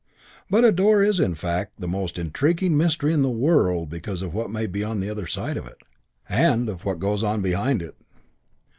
But a door is in fact the most intriguing mystery in the world because of what may be the other side of it and of what goes on behind it.